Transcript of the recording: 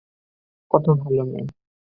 কত্ত ভালো মেয়ে!